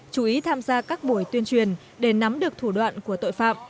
chú ý tham gia các buổi tuyên truyền để nắm được thủ đoạn của tội phạm